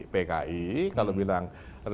pki kalau bilang